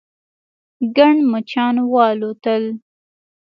ګڼ مچان والوتل.